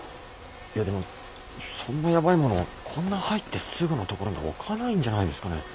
いやでもそんなやばいものをこんな入ってすぐの所に置かないんじゃないですかね？